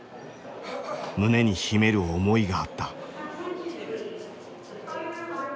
胸に秘める思いがあった。